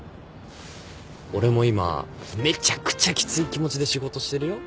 俺も今めちゃくちゃきつい気持ちで仕事してるよ。